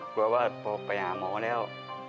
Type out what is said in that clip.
กลัวว่าพอไปหาหมอแล้ว